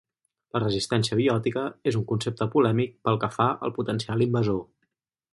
La resistència biòtica és un concepte polèmic pel que fa al potencial invasor.